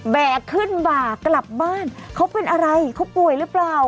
ขึ้นบ่ากลับบ้านเขาเป็นอะไรเขาป่วยหรือเปล่า